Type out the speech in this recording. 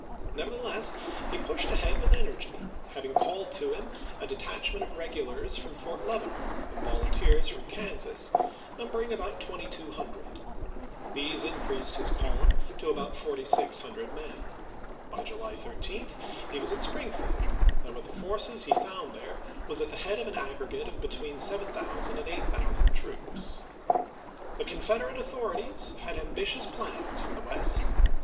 Nevertheless, he pushed ahead with energy, hav ing called to him a detachment of regulars from Fort Leavenworth, and volunteers from Kansas numbering about 2200. These increased his column to about 4600 men. By July 13 he was at Springfield, and with the forces he found there was at the head of an aggregate of between 7000 and 8000 troops. The Confederate authorities had ambitious plans for the West.